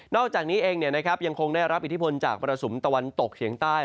นอกจากนี้เองเนี่ยนะครับยังคงได้รับอิทธิพลจากมรสมตะวันตกเฉียงใต้